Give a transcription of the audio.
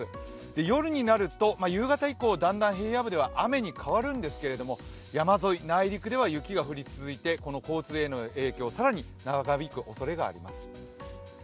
夜になると、夕方以降だんだん平野部では雨に変わるんですけれども、山沿い、内陸では雪が降り続いて、交通への影響、更に長引くおそれがあります。